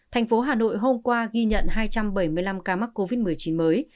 thành phố hà nội hôm qua ghi nhận hai trăm bảy mươi năm ca mắc covid một mươi chín mới